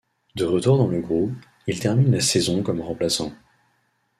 De retour dans le groupe, il termine la saison comme remplaçant.